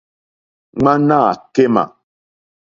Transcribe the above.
Ŋwánâ kémà.